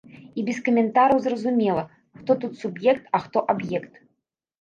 І без каментараў зразумела, хто тут суб'ект, а хто аб'ект.